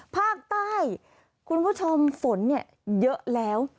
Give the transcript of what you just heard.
ภาคใต้คุณผู้ชมฝนเยอะแล้ว